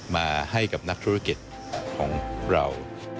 มาให้กับนักธุรกิจของเรา